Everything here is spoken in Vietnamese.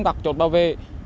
các chốt bảo vệ